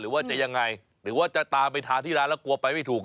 หรือว่าจะยังไงหรือว่าจะตามไปทานที่ร้านแล้วกลัวไปไม่ถูก